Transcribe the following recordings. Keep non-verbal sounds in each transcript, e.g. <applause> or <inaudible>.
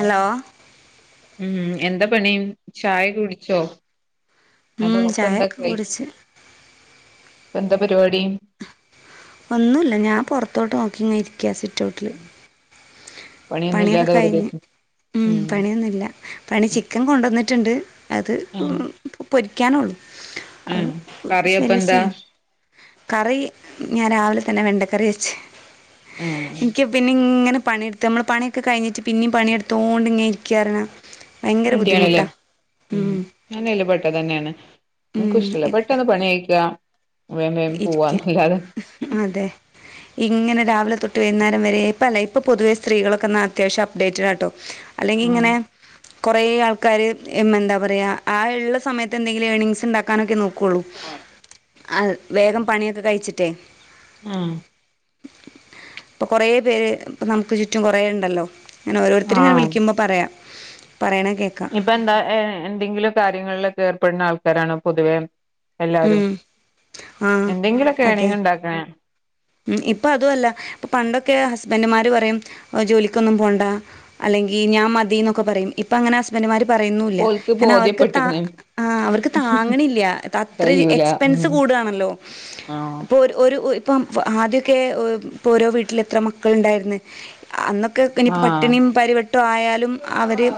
Hello ഉം എന്താ പണി ചായ കെകുടിച്ചോ? ഉം അതോ ഇപ്പദാ ചായൊക്കെ കൈ കുടിച്ച് ഇപ്പന്താ പരിപാടി? ഒന്നുല്ല ഞാൻ പുൊറത്തോട്ട് നോക്കി ഇങ്ങ ഇരിക്കാ സ്വിറ്റ് ഔട്ടില്. പണിഒന്നു ല്ലാതെ വെർതെ ഇരുന്നു. ഉം പണിയൊന്നുല്ല പണി ചിക്കൻ കൊണ്ടന്നിട്ടുണ്ട് അത് ആഹ് എം പൊരി. ഔ ആഹ് പ കറിയപ്പ സല സീ എന്താ കറി ഞാൻ രാവിലെ തന്നെ വെണ്ടക്കറി വെച് ആഹ് എനിക്ക് പിന്നെ ഇങ്ങനെ പണിട്ത് നമ്മള് പണിഒക്കെ കഴിഞ്ഞിട്ട് പിന്നിം പണിടുത്തോണ്ട് ഇങ്ങെ ഇരിക്കാനറിഞ്ഞാ ഭയങ്കര മടിയാണല്ലേ ബുദ്ധിമുട്ടാ. ഉം ഞാനു ഐയില് പെട്ട തന്നെയാണ് ന്ക്ക് ഇഷ്ടല്ല ഉം പെട്ടന്ന് പണി യ്ക്കാ. വേം വേം ഇരിക്കാൻ പോവാന്നല്ലാതെ. ഇങ്ങനൊരാവിലെ തൊട്ട് വൈകുന്നരം വരേ ഇപ്പ അല്ല ഇപ്പോ സ്ത്രകളൊക്കൊ ന്നാ അത്യാവശ്യം അ്ഡേറ്റ്ഡാ ട്ടോ. അല്ലെങ്കി ആഹ് ഇങ്ങനെ. കുറേ ആൾക്കാാര് എന്താ പറയയാ ആ ഇള്ള സമയത്ത് എന്തെങ്കിലും ഏണിംഗസ് ഉണ്ടാക്കാനൊക്കെ നോക്ക. കൊള്ളു വേഗം പണിയൊക്കെ കയിച്ചിട്ടേ. ആഹ ഇപ്പൊ കൊറ പേര് നമുക്ക് ചുറ്റും കൊറേ ഉണ്ടല്ലോ. അങ്ങെ ഓരോര്ത്തര് ഇങ്ങന ആഹ് വിളിക്കുബോ പറയാ. ഇപ്പൊ എന്താ എന്തെങ്കിലും കാര്യങ്ങളിലൊക്കെ ഏർപ്പെടുന്ന ആൾക്കാരാണ് പൊതുവെ. എല്ലാരും ഉം. ആ എന്തെങ്കിലൊക്കെ അതെ ഏനിഗ് ഉണ്ടാകാന്. ഉം ഇപ്പൊ അതുവല്ല ഇപ്പ പണ്ടൊക്കെ ഹസ്ബൻഡുമ്മാര് ഓഹ് പറയും ജോലിക്കൊന്നും പോവണ്ട അല്ലെ ങ്കി ഞാൻ മതീന്നൊക്കെ പറയും ഇപ്പ അങ്ങനെ ഹസ്ബന്റ്മ്മാര് പറയുന്നു ഇല്ല ഓൽക്ക് കാരണം അവർക്ക് താ ബോധ്യപ്പെട്ട്ക്ക്ണ് ആഹ് അവർക്ക്‌ താങ്ങണില്ല ഇതത്രേം കയ്യൂല ഉം എക്സ്പെൻസ് കൂ ടാണല്ലോ ആഹ് അപ്പോ ഒരു ഒരു ഒ വ ആദ്യോക്കെ ഒഹ് ഇപ്പൊ ഓരോ വീട്ടില് എത്ര മക്കളിണ്ടായിരുന്ന്. അന്നൊക്കെക്കെനി ആഹ് പട്ടിണിയും പരിവട്ടോ ആയാലും അവര്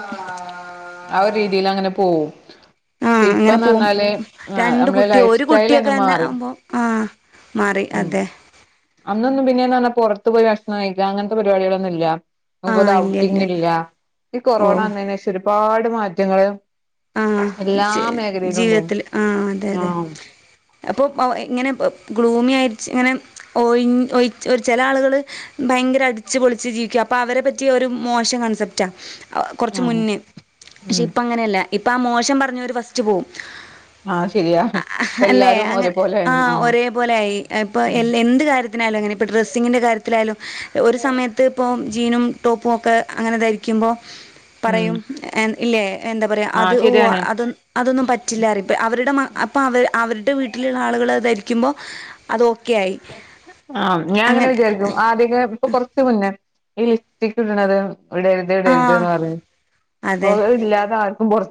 ആ ഒര് രീതിലങ്ങനെ പോവും. പക്ഷെ ആഹ് അങ്ങനെ ഇപ്പന്ന് പോവും പറഞ്ഞാല് ആ രണ്ട് നമ്മളെ കുട്ടി ലൈഫ് ഒരു സ്റ്റൈൽ തന്നെ കുട്ടിയൊക്കെന്നെ മാറി ആവുമ്പോ ആഹ് മാറി ഉം അതെ. അന്നൊന്നും പിന്നേന്ന് പറഞ്ഞാ പുറത്ത് പോയി ഭക്ഷണം കഴിക്കുക അങ്ങനത്തെ പരിപാടികളൊന്നും ഇല്ല. അതുപോലെ ഔട്ടിങ്ങ് ഇല്ല ഈ കൊറോണ ഓ വന്നതിന് ശേഷം ഒരുപാട് മാറ്റങ്ങള് ആഹ് എല്ലാ ശ മേഖലയിലും ഉണ്ടായിന് ജീവിതത്തില് ആ അതെ അതെ ആഹ് അപ്പൊ ഇങ്ങനെ ഗ്ലൂമിയായി ഇങ്ങനെ ഒയി ഒയിച്ച് ചെല ആളുകള് ഭയങ്കര അടിച്ചുപൊളിച്ച് ജീവിക്കുവാ അപ്പോ അവരെപ്പറ്റി ഒരു മോശം കൺസെപ്റ്റാ കുറച്ച് ആഹ് മുന്നേ പക്ഷെ ഉം ഇപ്പ അങ്ങനെയല്ല ഇപ്പ ആ മോശം പറഞ്ഞവര് ഫസ്റ്റ് പോവും. ആഹ് ശരിയാ അ ഇപ്പ അല്ലേ എല്ലാരും അങ്ങനെ ആ ഒരുപോലെയാണ് ആഹ് ഒരേ പോലെ ആയി ഇപ്പൊ ഉം എ എന്ത് കാര്യ ത്തിനായാലും അങ്ങനെ ഇപ്പോൾ ഡ്രസ്സിങ്ങിന്റെ കാര്യത്തിൽ ആയാലും ഒരു സമയത്ത് ഇപ്പോൾ ജീനും ടോപ്പും ഒക്കെ അങ്ങനെ ധരിക്കു മ്പോ ഉം പറയും ഇല്ലേ എന്താ പറയാ അത് ആഹ് ഓ ശരിയാണ് അതൊന്നും അതൊന്നും പറ്റില്ലാ പറയും അവരുടെ മ അപ്പോ അവരുടെ വീട്ടിലുള്ള ആളുകള് അത് ധരിക്കുമ്പോ അത് ഓക്കെ ആയി ആഹ് ഞാൻ അങ്ങനെ വിചാരിക്കും ആദ്യവൊക്കെ ഇപ്പൊ കൊറച്ച് മുന്നേ ഈ ലിപ്സ്റ്റിക് ഇടണത് ഇടരുത് ആ ഇടരുത് എന്ന് പറയും ഇപ്പൊ അത് ഇല്ലാതെ ആർക്കും പുറ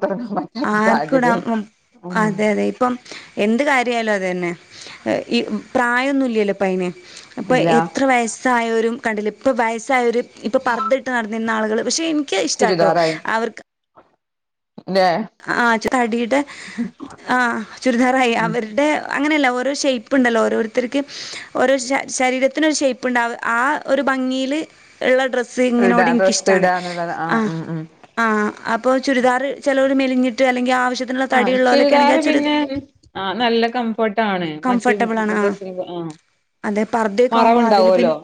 ആർക്കും ഇടാം ഉം അതെ അതെ ഇപ്പം എന്ത് കാര്യം ആയാലും അത് തന്നെ. ആ ഈ പ്രായവൊന്നും ഇല്ലല്ലൊ ഇപ്പോ അതിന് അപ്പൊ ഇല്ല എത്ര വയസ്സായോരും കണ്ടില്ലേ ഇപ്പോ വയസ്സായോര് ഇപ്പോ പർദ്ദ നടന്നിരുന്ന ആളുകള് പക്ഷെ എനിക്കത് ഇഷ്ടാട്ടോ ചുരിദാറായി അവർക്ക് ല്ലേ ആഹ് ആ തടിയുടെ ആ ചുരിദാറായി ഉം അവരുടെ അങ്ങനെയല്ല ഓരോ ഷേപ്പ് ഉണ്ടല്ലോ ഓരോരുത്തർക്ക് ഓരോ ശരീരത്തിനൊരു ഷേപ്പ് ഉണ്ടാവും ആ ഒരു ഭംഗില് ഉള്ള ഇടാ ഡ്രസ്സിങ്ങിനോട് എനിക്ക് ഡ്രസ്സ് ഇഷ്ടാണ് ഇടാന്നുള്ളത് ആ ഉം ഉം ആ അ പ്പോ ചുരിദാർ ചിലോര് മെലിഞ്ഞിട്ട് അല്ലങ്കിൽ ആ ആഹ് ചുരിദാർ ചുരി പിന്നെ ആ നല്ല കംഫർട്ട് ആണ് മറ്റു കംഫർട്ടബിൾ ആണ് ആ ഡ്രസി ആ അതെ പർദ്ദയൊക്കെ ആകുമ്പോ അതിൽ പി മറവുണ്ടാവുമല്ലോ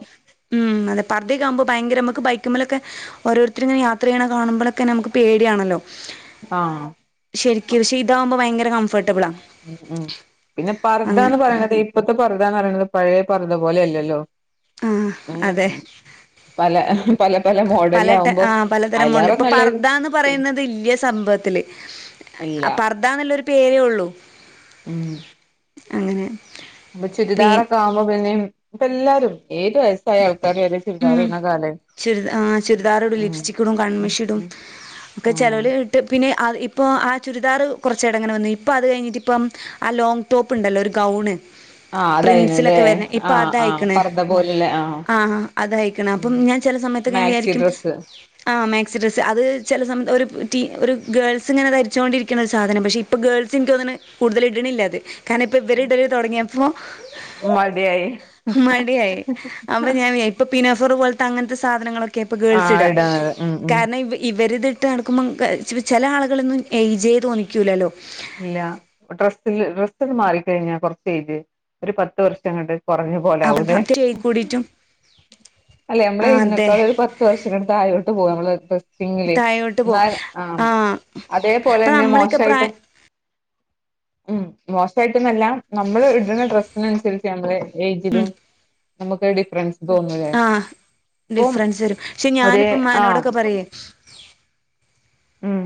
ഉം അതെ പർദ്ദയൊക്കെ ആകുമ്പോ ഭയങ്കര നമക്ക് ബൈ ക്കുമേലൊക്കെ ഓരോരുത്തര് ഇങ്ങനെ യാത്ര ചെയ്യണ കാണുമ്പളൊക്കെ നമുക്ക് പേടിയാണല്ലോ ആഹ് ശരിക്കു ക്ഷെ ഇതാഉമ്പോ ഭയങ്കര ക ഉ ഉം പിന്നെ പർദന്ന് അങ്ങനെ പറയണത് ഇപ്പത്തെ പർതാന്നെറിണത് പഴയ പറുത പോലെല്ലല്ലോ ആഹ് അതെ പല പല പല പല ട്ടെ മോഡലിലാവുമ്പോ ആഹ് പലതരം മോല് അയിലേറെ ഇപ്പൊ നല്ലത് പർദന്ന് പറയുന്നത് ഇല്യ സംഭ വത്തില്. ഇല്ല അപ് പർദാന്നുള്ളരു പേരേ ഉള്ളു ഉം അങ്ങനെ അപ്പൊ പി ചുരിദാറൊക്കെ ആവുമ്പോ പിന്നേം ഇപ്പ എല്ലാരും ഏത് വയസായ ആൾക്കാര് വരെ ചുരിദാറ്ട്ന കാലാ ചുരിദ് ആഹ് ചുരിദാർ ഇടും ലിപ്സ്റ്റിക് ഇടും ഉം കണ്മഷി ഇടും ഉം ക്കെ ആഹ് ചേലോൽ ഇട്ട് പിന്നെ അവ് ഇ പ്പോ ആഹ് ചുരിദാർ കൊറച്ചടങ്ങനെ വന്നു. ഇപ്പ അത് കഴിഞ്ഞിട്ട് ഇപ്പം ആഹ് ലോങ് ടോപ്പ് ഉണ്ടല്ലോ ഒരു ഗൗണ് ആഹ് അതായിനുല്ലേ പ്രിൻസിലൊക്കെ വര്ണ ഇപ്പൊ ആഹ് ആഹ് അതായിക്ണ് പർദ്ദ പോലെല്ലേ ആഹ് അതായ്ക്ണ് ഉം അപ്പം ഞാൻ ചെല സമയത്തൊക്കെ ഞാൻ മാക്സി വിയാരിക്കും ഡ്രസ്സ് ആഹ് മേ ച് ഡ്രെസ്സ് അത് ചെല് സമത് ഒരു പ് ട്ടീ ഒരു ഗേൾസിങ്ങെനെ ധര്ച്ചോണ്ട് രിക്ക്ണ ഒരു സാധനം. പക്ഷെ ഇപ്പൊ ഗേൾസ് ഇൻകോന്ന്ണെ ന്നെ കൂടുതല് ഇട്ണില്ലാത്. കാരണം ഇപ്പോ ഇവര് ഇടൽ തൊടങ്ങിയപ്പോ മടിയായി അപ്പ ഞൻ ഇപ്പ പിനെഫർ പോലത്തെ അങ്ങനത്തെ സാധനങ്ങളൊക്കെ പ്പ ഗേൾസ് ആഹ് ഇടാം ഇടാറ് ഉം ഉം കാരണം ഇവരിത് നടക്കുമ്പോ ചില ആളുകളൊന്നും ഇജയ തോിക്കൂലല്ലോ ഇല്ല ഡ്രസ്സിില് ഡ്രസ്സൽ മാറിക്കഴിഞ്ഞ കൊറച്ച ജ് ഒരു പത്ത് വർഷം അങ്ങട്ട് കുറഞ്ഞ അപ്പൊ പോലൊവലേ അത്രയായി കൂടിട്ടും അല്ലേ ആ നമ്മളെ അതെ ഇതിനേക്കാള ഒരു പത്ത് വർഷ കത്ത് ആായിോട്ട് പോക നമ്മള് ഡ്രസിങ്ങില് താഴോട്ട് പോവും എന്നാൽ ആ അപ്പൊ അതേപോലെന്നെ നമ്മളൊക്കെ പ്രായ മോശായിട്ട് ഉം മോശമായിട്ടന്നല്ല നമ്മള് ഇടുന്ന ഡ്രെസ്സിനനുസരിച്ച് നമ്മള് ഏജിലും നമുക്ക് ഡിഫറൻസ് തോന്നല്ലേ ആ അപ്പം ഡിഫറൻസ് വരും പക്ഷെ ഒ ഞാനിപ്പ ആഹ ഉമ്മാനോടൊക്കെ പറയേ ഉം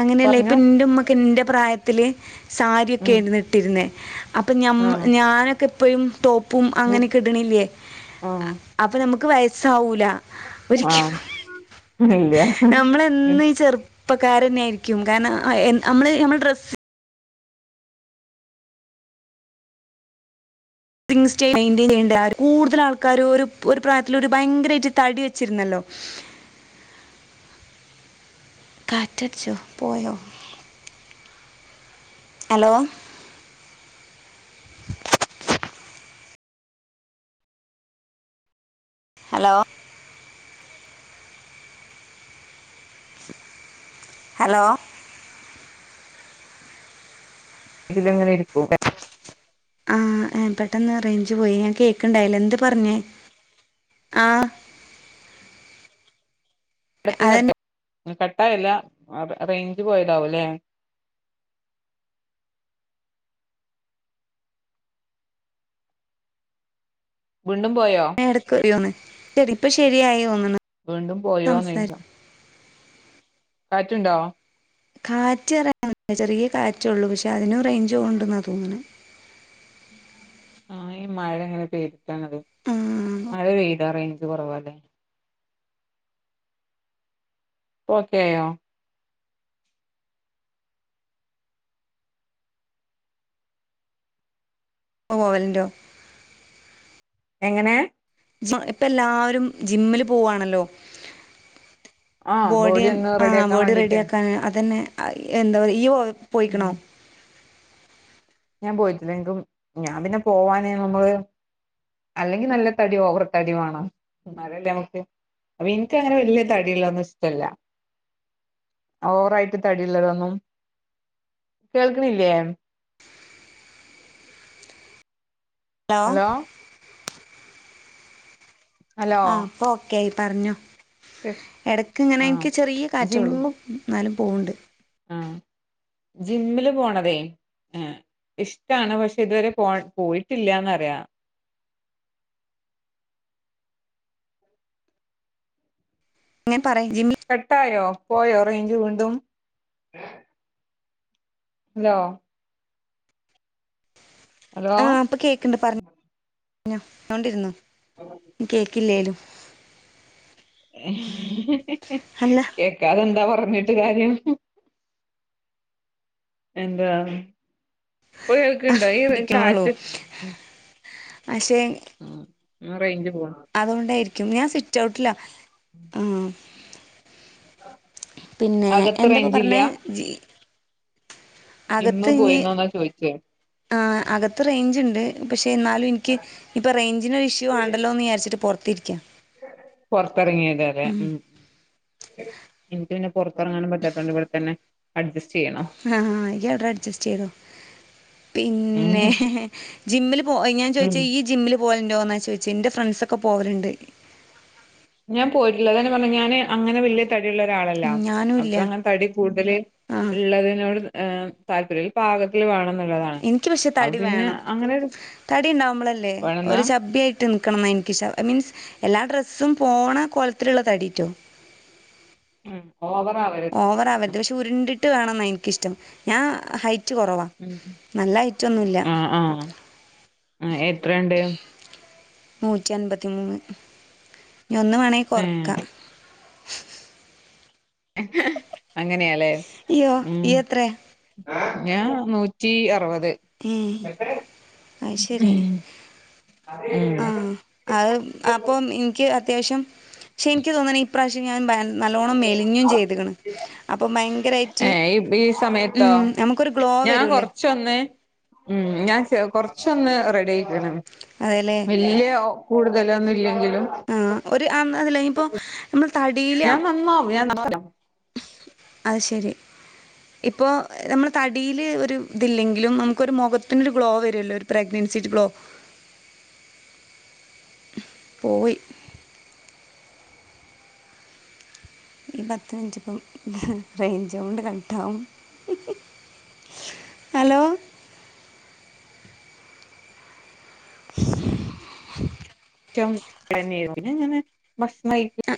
അങ്ങനെയല്ല ഇപ്പൊ പറഞ്ഞോ എറ ഉമ്മക്കെ എന്റെ പ്രായത്തില് സാരിയക്കെ ഉം ഇരുന്നു ഇട്ടിരുന്നേ അപ്പം മ്മ ആഹ് ഞാനൊക്കെ എപ്പോഴും ടോപ്പും ബു അങ്ങനൊക്കെ ഇടണില്ലേ ആഹ് അപ്പൊ നമുക്ക് വയസ്സാവൂല ഒരിക്ക ആഹ് ഇല്ല നമ്മളീ ചെറ ഇപ്പക്കർ തന്നെ ആായിരിക്കും കാരണം നമ്മള് നമ്മള് ഡ്രസ് സ്റ്റേ മെന്ൻ ചെയ്യണ്ട കൂടുതൽ ആൾക്കാാര് ഒരു പ്രായത്തില ഒരു ഭയങ്കരമായിട്ട് തടി വെച്ചിരുന്നല്ലോ <unintelligible> കാറ്റടച്ചു പോയോ ഹലോ ഹലോ ഹലോ ഇതില എങ്ങനെ ഇരിക്കൂ ൻ പെട്ടെന്ന് റേഞ്ച് പോയി ഞാൻ കേക്കണ്ടായില്ല എന്ത് പറഞ്ഞേ ആ ടക്ക് കട്ട അതന്നെ കട്ടാല്ല റേഞ്ച് പോയതാവുംല്ലേ <unintelligible> വീണ്ടും പോയോ എടക്കറിയോന്ന് ചെടി ഇപ്പ ശരിയായിോന്ന് വീണ്ടും പോയോന്നോയ്ക്ക കാറ്റ്ണ്ടോ കാറ്റ്റയാൻ ചെറിയ കാറ്റള്ളൂ പക്ഷെ അതിനും റേഞ്ച്പോവ്ണ്ടന്നാ തോന്ന്ണെ <inaudible> ആ ഈ മഴ ഇങ്ങനെ പെയ്തിട്ടാണത് മഴ പെയതാ റേഞ്ച് കൊറവല്ലേ പ്പൊ ഓക്കെയോ പ്പൊ പോവലിണ്ടോ എങ്ങനെ ജി ഇപ്പ എല്ലാരും ജിമ്മില് പൂവാണല്ലോ ആഹ് ബോഡി ബോഡീം ഒന്ന് ആ റെഡിയാക്കാൻ ബോഡി വേണ്ടിട്ടേ റെഡിയക്കാന് അതന്നെ ആ എന്താ പറയ് ഇയ്യ് പോ പോയിക്കണോ ഉം ഞാൻ പോയിട്ടില്ല എങ്കും ഞാൻ പിന്നെ പോവാഞ്ഞെ ഞമ്മക്ക് അല്ലെങ്കി നല്ല തടി ഓവർ തടി വാണം ന്നാലല്ലേ നമക്ക് അപ്പൊ എനിക്കങ്ങനെ വല്ല്യ തടിള്ളന്നും ഇഷ്ടല്ല ഓവറായിട്ട് തടിള്ളതൊന്നും കേൾക്കണില്ലേ ലോ ഹലോ ഹലോ ആ ഇപ്പൊ ഓക്കെ ആയി പറഞ്ഞോ എടക്ക് ങ്ങനെ ആഹ് എനിക്ക് ചെറിയ കാറ്റള്ളൂ ന്നാലും പോവ്ണ്ട് ആ ജിമ്മില് പോണതേ ആ ഇഷ്ടാണ് പക്ഷെ ഇതുവരെ പോയ് പോയിട്ടില്ല്യാന്നറയാ അങ്ങനെ പറയും ജിമ്മി കട്ടായോ പോയോ റേഞ്ച് വീണ്ടും ഹലോ ഹലോ ആ പ്പൊ കേക്കണ്ട് പറഞ്ഞോണ്ടിര്ന്നൊ കേക്കില്ലേലും അല്ല കേക്കാതെന്താ പറഞ്ഞിട്ട് കാര്യം എന്താ ഇപ്പൊ കേക്ക്ണ്ടോ ഈ റെ കാറ്റ് പക്ഷേ ആ റേഞ്ച് പോണ് അതോണ്ടായിരിക്കും ഞാൻ സ്വിറ്റ് ഔട്ടിലാ ആ പിന്നെ അകത്ത് എന്താപ്പ റേഞ്ചില്ല പറഞ്ഞെ ജി ജിമ്മ് പോയിന്നോന്നാ ചോയിച്ചേ ആ അകത്ത് റേഞ്ച് ഇണ്ട് പക്ഷെ എന്നാലും എനിക്ക് ഇപ്പൊ റേഞ്ചിനൊരു ഇഷ്യൂ ആണ്ടല്ലോന്ന് വിചാരിച്ചിട്ട് പൊറ ത്തിരിക്ക പൊറത്തെറങ്ങിയതാല്ലേ ഉം എനിക്ക് പിന്നെ പൊറത്തെറങ്ങാനും പറ്റാത്തോണ്ട് ഇവടെ തന്നെ അഡ്ജസ് ആ ആ ഇയ്യ് അവടെ അഡ്ജസ്റ്റ് ചേതോ പിന്നെ ഉം ജിമ്മില് പോ ഞാൻ ഉം ചോയ്ച്ചെ ഇയ്യ് ജിമ്മില് പോവല് ണ്ടോന്ന ചോയ്ച്ചെ ന്റെ ഫ്രണ്ട്സൊക്കെ പോവല്ണ്ട് ഞാൻ പോയിട്ടില്ല അതാ ഞാൻ പറഞ്ഞെ ഞാന് അങ്ങനെ വല്ല്യേ തടി ഉള്ള ഒരാളല്ല ഉം ഞാനും അപ്പ ഇല്ല അങ്ങനെ തടി കൂട്തല് ആഹ് ഇള്ളതിനോട് ഏഹ് താല്പര്യൽ പാകത്തില് വേണം ഇനിക്ക് പക്ഷെ തടി വേണം ഒരു തടി ഇണ്ടാവ്മ്പളല്ലേ വേണെന്നാ ഒരു ചബ്ബി ആയിട്ട് നിക്കണംന്നാ എനിക്ക് ഷാ മിൻസ് എല്ലാ ഡ്ര സ്സും പോണ കോലത്തില്ള്ള തടീട്ടോ ഓവറാവരുത് ഓവറാവര്ത് പക്ഷെ ഉരുണ്ടിട്ട് വേണംന്നാ എനിക്കിഷ്ടം ഞാ ഹൈ റ്റ് കൊറവാ ഉം നല്ല ഹൈറ്റൊന്നുല്ല ആ എത്രണ്ട് നൂറ്റി അൻപത്തിമൂന്ന് ഞ്ഞി ഒന്ന് വേണെങ്കി ഏഹ് കൊറക്ക അങ്ങനെയാല്ലേ അയ്യോ ഉം ഈ എത്ര ഞാൻ നൂറ്റി അറവത് ഏ അത് ശരി ആ അത് അപ്പോം എനിക്ക് അത്യാവശം ശെ എനിക്കു തോന്നണ് ഇപ്രാവശ്യം ഞാൻ ബാ നല്ലോണം മെലിഞ്ഞും ചെയ്തേക്കണ്. അപ്പം ഭയങ്കരായിട്ട് ഏഹ് ഈ ഉം സമയത്തോ നമുക്കൊരു ഗ്ലോ ഞാൻ വരൂലേ കൊറച്ചൊന്ന് ഉം ഞാൻ ചെ കൊറച്ചൊന്ന് റെഡിയായിക്കണ് അതെല്ലേ വല്യ കൂടുതലൊന്നും ഇല്ലെങ്കിൽ ആ ഒരു അം അതല്ല ഇപ്പൊ നമ്മൾ തടീല് ഞാൻ അം നന്നാവും ഞാൻ നന്നാവും. അത് ശരി. ഇപ്പോ നമ്മൾ തടീല് ഒരു ഇതില്ലെങ്കിലും നമുക്കൊരു മുഖത്തിനൊരു ഗ്ലോ വരൂല്ലോ ഒരു പ്രഗ്നൻ സിറ്റ് ഗ്ലോ <inaudible> പോയി ഈ പത്ത് മിനിറ്റിപ്പം റേഞ്ച് കൊണ്ട് കട്ടാവും. ഹലോ <inaudible> റ്റം <unintelligible> ഞാന് ഭക്ഷണം കഴിക്കും ആ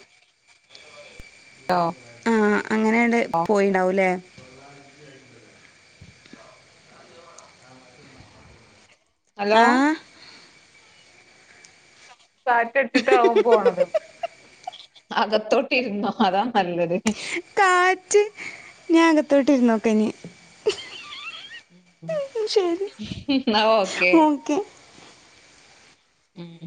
<unintelligible> ആ അങ്ങനെയങ്ങട് പോയിണ്ടാവൂല്ലേ. ഹലോ ആ കാറ്റടിച്ചിട്ടാവും പോണത്. അകത്തോട്ട് ഇരുന്നോ അതാ നല്ലത്. കാറ്റ് ഞാ അകത്തോട്ട് ഇരുന്നോക്കാ ഇനി ഉം ശരി. ഓക്കെ ഉം